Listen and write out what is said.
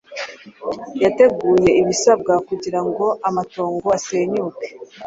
Yateguye ibisabwa kugirango amatongo asenyuke